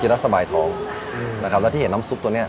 แล้วสบายท้องนะครับแล้วที่เห็นน้ำซุปตัวเนี้ย